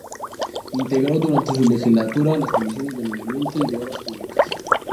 Integró durante su legislatura las Comisiones de Medio Ambiente y de Obras Públicas.